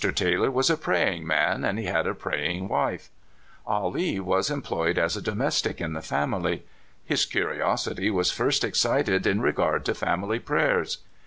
Taylor was a praying man, and he had a praying wife. Ah Lee was employed as a domestic in the family. His curiosity was first excited in regard to family prayers.